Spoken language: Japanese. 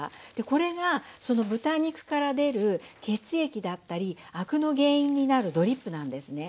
これが豚肉から出る血液だったりアクの原因になるドリップなんですね。